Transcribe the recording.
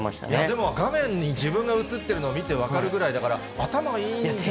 でも画面に自分が映ってるの、見て分かるぐらいだから、頭いいんじゃないですか。